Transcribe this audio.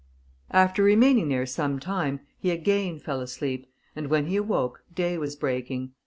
After remaining there some time, he again fell asleep, and when he awoke day was breaking.